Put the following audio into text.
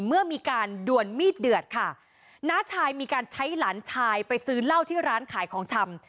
เมื่อมีการด่วนมีดเดือดค่ะน้าชายมีการใช้หลานชายไปซื้อเหล้าที่ร้านขายของชำ